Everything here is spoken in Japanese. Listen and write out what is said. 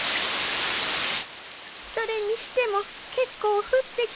それにしても結構降ってきたのう。